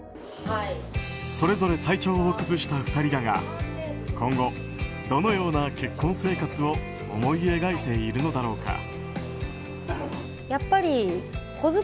それぞれ体調を崩した２人だが今後、どのような結婚生活を思い描いているのだろうか。